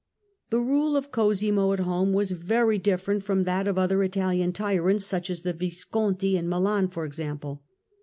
Home The rule of Cosimo at home was very different from Cosimo° that of other Italian tyrants, such as the Visconti in Milan, for example.